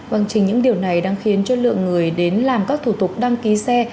vâng chính những điều này đang khiến cho lượng người đến làm các thủ tục đăng ký xe